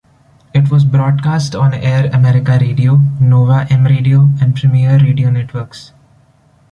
It was broadcast on Air America Radio, Nova M Radio, and Premiere Radio Networks.